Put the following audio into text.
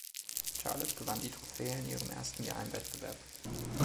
Charlotte gewann die Trophäe in ihrem ersten Jahr im Wettbewerb.